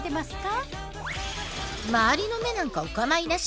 周りの目なんか、おかまいなし。